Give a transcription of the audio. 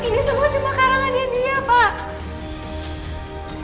ini semua cuma karangan yang dia pak